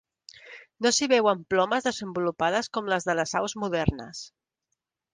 No s'hi veuen plomes desenvolupades com les de les aus modernes.